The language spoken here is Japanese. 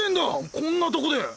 こんなとこで。